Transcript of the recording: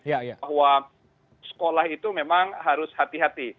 bahwa sekolah itu memang harus hati hati